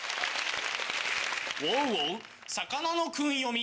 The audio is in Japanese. ウォウウォウ魚の訓読み。